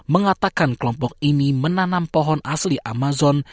mengatakan kelompok ini menanam pohon asli amazon